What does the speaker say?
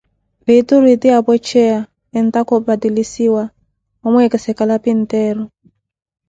Viituro eti ya pwecheya, entaka o patilisiwa, mwamweekese kalapinteero.